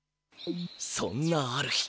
そんなある日。